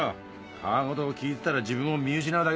たわごとを聞いてたら自分を見失うだけだ。